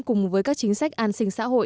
cùng với các chính sách an sinh xã hội